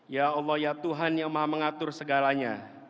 ya allah ya tuhan yang maha mengatur segalanya